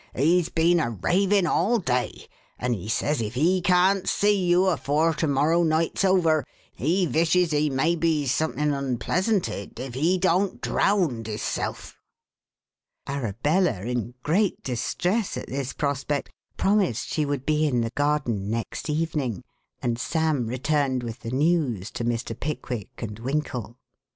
"He's been a ravin' all day; and he says if he can't see you afore to morrow night's over, he vishes he may be somethin' unpleasanted if he don't drownd hisself." Arabella, in great distress at this prospect, promised she would be in the garden next evening, and Sam returned with the news to Mr. Pickwick and Winkle.